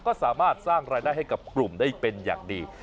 ก็สามารถสร้างรายได้ให้กับกลุ่มได้เป็นอย่างดี